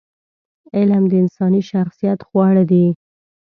علم د انساني شخصیت خواړه دي.